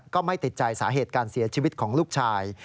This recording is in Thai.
ก็ไม่ติดใจสาเหตุการเสียชีวิตของลูกชาย